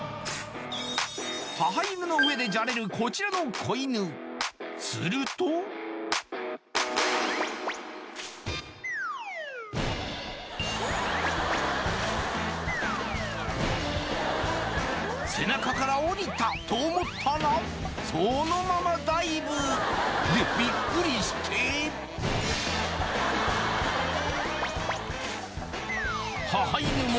母犬の上でじゃれるこちらの子犬すると背中からおりたと思ったらそのままダイブでビックリして母犬も